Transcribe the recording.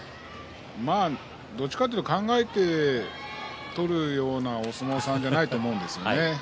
どっちかというと考えて取るようなお相撲さんじゃないと思うんですよね。